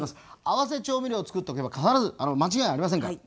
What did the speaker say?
合わせ調味料をつくっておけば必ず間違いありませんから。